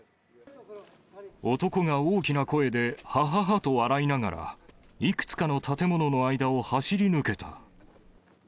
男が大きな声で、はははと笑いながら、いくつかの建物の間を走り抜けた。